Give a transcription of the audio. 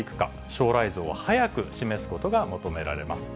将来像を早く示すことが求められます。